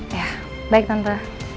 iya baik tante